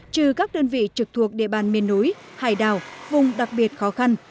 trừ các đơn vị trực thuộc địa bàn miền núi hải đảo vùng đặc biệt khó khăn